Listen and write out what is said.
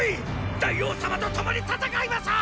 大王様と共に戦います！